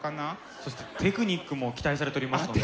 そしてテクニックも期待されておりますので。